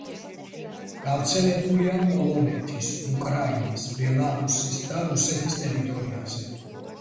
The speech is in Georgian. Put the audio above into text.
გავრცელებულია პოლონეთის, უკრაინის, ბელარუსის, და რუსეთის ტერიტორიაზე.